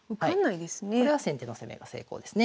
これは先手の攻めが成功ですね。